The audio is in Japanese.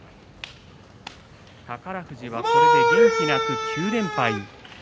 宝富士は、これで元気なく９連敗。